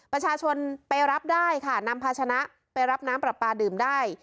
ประชาชนไปรับได้ค่ะนำพาชนะไปรับน้ำปลาปลาดื่มได้